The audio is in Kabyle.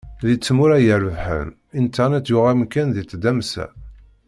Di tmura irebḥen, internet yuɣ amkan di tdamsa.